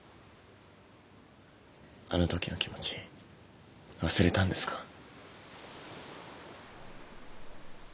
あのときの気持ち忘れたんですか？